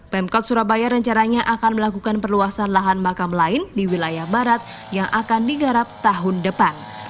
pemkot surabaya rencananya akan melakukan perluasan lahan makam lain di wilayah barat yang akan digarap tahun depan